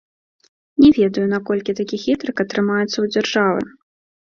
Не ведаю, наколькі такі хітрык атрымаецца ў дзяржавы.